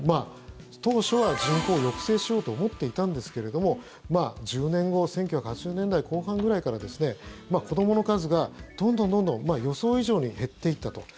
当初は人口を抑制しようと思っていたんですけれども１０年後１９８０年代後半くらいから子どもの数がどんどん予想以上に減っていったと。